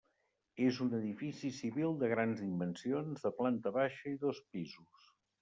És un edifici civil de grans dimensions, de planta baixa i dos pisos.